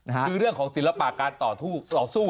คือเรื่องของศิลปะการต่อสู้ต่อสู้